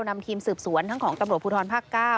นำทีมสืบสวนทั้งของตำรวจภูทรภาค๙